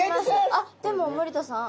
あっでも森田さん